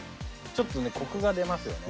ちょっとねコクが出ますよね。